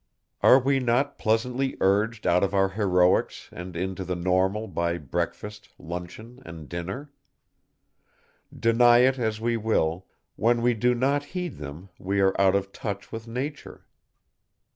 Are we not pleasantly urged out of our heroics and into the normal by breakfast, luncheon and dinner? Deny it as we will, when we do not heed them we are out of touch with nature.